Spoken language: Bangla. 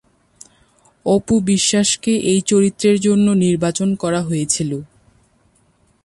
অপু বিশ্বাসকে এই চরিত্রের জন্য নির্বাচন করা হয়েছিল।